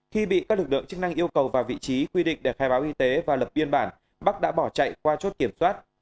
khi bị các lực lượng chức năng yêu cầu vào vị trí quy định để khai báo y tế và lập biên bản bắc đã bỏ chạy qua chốt kiểm soát